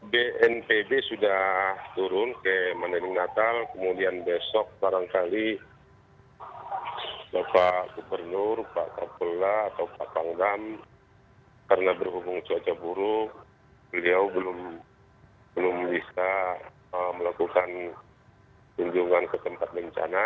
bnpb sudah turun ke mandeling natal kemudian besok barangkali bapak gubernur pak kapolah atau pak panggam karena berhubung cuaca buruk beliau belum belum bisa melakukan kunjungan ke tempat bencana